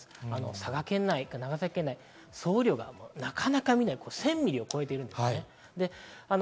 佐賀県内、長崎県内の総雨量がなかなか見ない１０００ミリを超えています。